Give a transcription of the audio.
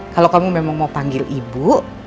kalau kamu memang mau panggil ibu